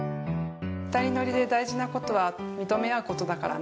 ２人乗りで大事なことは認め合うことだからね。